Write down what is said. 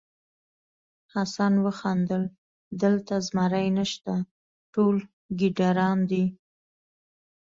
حسن وخندل دلته زمری نشته ټول ګیدړان دي.